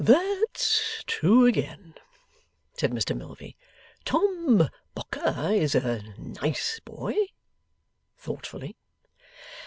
'That's true again,' said Mr Milvey. 'Tom Bocker is a nice boy' (thoughtfully).